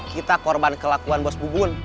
kita korban kelakuan bos bubun